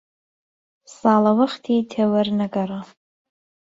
ساڵە وەختى تێ وەر نە گەڕا